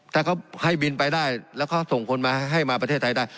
ถ้าเขาให้บินไปได้แล้วเขาส่งคนมาให้มาประเทศไทยได้